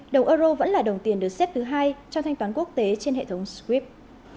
đồng euro vẫn là đồng tiền được xếp thứ hai trong thanh toán quốc tế trên hệ thống sque